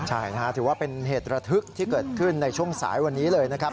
ใช่นะฮะถือว่าเป็นเหตุระทึกที่เกิดขึ้นในช่วงสายวันนี้เลยนะครับ